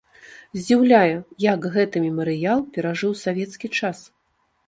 Здзіўляе, як гэты мемарыял перажыў савецкі час.